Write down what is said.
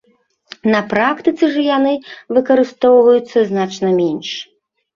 На практыцы жа яны выкарыстоўваюцца значна менш.